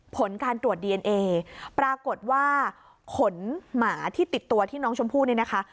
ผลการตรวจดีเอนเอปรากฏว่าขนหมาที่ติดตัวที่น้องชมพู่เนี่ยนะคะ